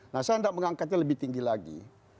nah saya tidak mengangkatnya lebih tinggi lagi